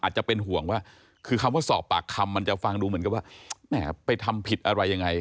อาจจะเป็นห่วงว่าคือคำว่าสอบปากคำมันจะฟังดูเหมือนกับว่าแหมไปทำผิดอะไรยังไง